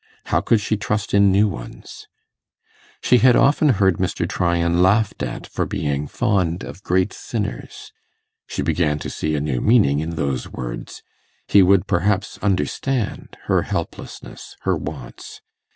How could she trust in new ones? She had often heard Mr. Tryan laughed at for being fond of great sinners. She began to see a new meaning in those words; he would perhaps understand her helplessness, her wants.